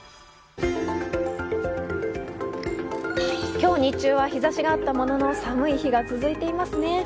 今日、日中は日ざしがあったものの、寒い日が続いていますね。